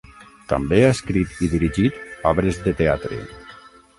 També ha escrit i dirigit obres de teatre.